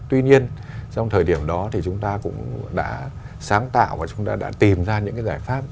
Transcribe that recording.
tuy nhiên trong thời điểm đó thì chúng ta cũng đã sáng tạo và chúng ta đã tìm ra những cái giải pháp